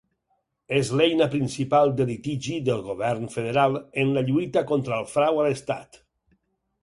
És l'eina principal de litigi del govern federal en la lluita contra el frau a l'estat.